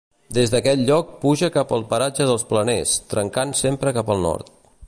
Des d'aquest lloc puja cap al paratge dels Planers, trencant sempre cap al nord.